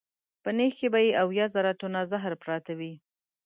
په نېښ کې به یې اویا زره ټنه زهر پراته وي.